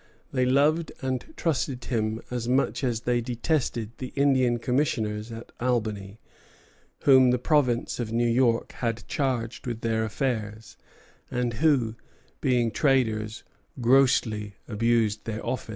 They loved and trusted him as much as they detested the Indian commissioners at Albany, whom the province of New York had charged with their affairs, and who, being traders, grossly abused their office.